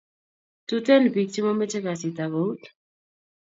Tuten pik che mamache kasit ab out